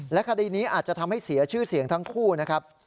คดีนี้อาจจะทำให้เสียชื่อเสียงทั้งคู่นะครับ